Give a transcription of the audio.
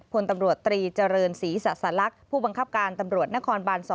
พลตำรวจตรีเจริญศรีสะสลักษณ์ผู้บังคับการตำรวจนครบาน๒